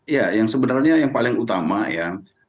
ya yang sebenarnya yang paling utama ya